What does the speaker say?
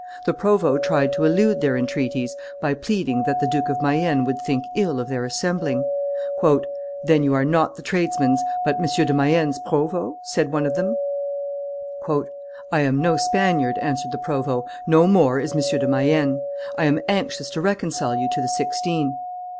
The provost tried to elude their entreaties by pleading that the Duke of Mayenne would think ill of their assembling. "Then you are not the tradesmen's but M. de Mayenne's provost?" said one of them. "I am no Spaniard," answered the provost; "no more is M. de Mayenne; I am anxious to reconcile you to the Sixteen."